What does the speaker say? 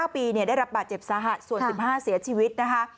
๙ปีได้รับบาดเจ็บสาหัสส่วน๑๕เสียชีวิตนะคะ